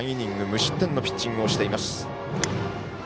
無失点のピッチングをしています。